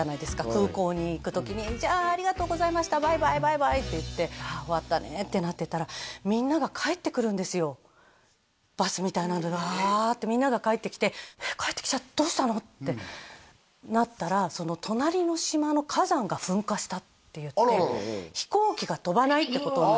空港に行く時にじゃあありがとうございましたバイバイバイバイって言ってああ終わったねってなってたらバスみたいなのでワーッてみんなが帰ってきてえっ帰ってきちゃったどうしたの？ってなったら隣の島の火山が噴火したっていって飛行機が飛ばないってことにあ